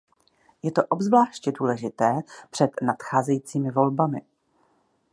Je to obzvláště důležité před nadcházejícími volbami.